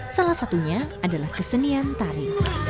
salah satunya adalah kesenian tari